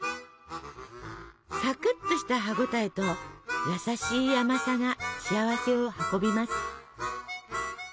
サクッとした歯応えと優しい甘さが幸せを運びます。